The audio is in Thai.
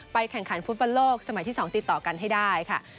ไปแข่งขันฟุตบันโลกสมัยที่สองติดต่อกันไว้ให้ได้